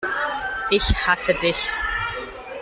Ich hasse dich!